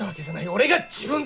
俺が自分で！